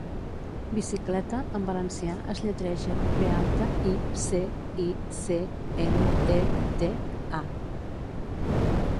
'Bicicleta' en valencià es lletreja: be alta, i, ce, i, ce, ele, e, te, a.